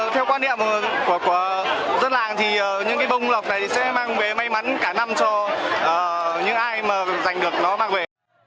theo quan điểm của dân làng thì những cái bông lọc này sẽ mang về may mắn cả năm cho những ai mà giành được nó mang về